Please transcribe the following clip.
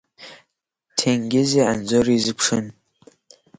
Ҭенгизи Анзори изыԥшын.